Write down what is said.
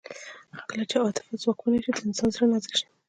کله چې عاطفه ځواکمنه شي د انسان زړه نازک شي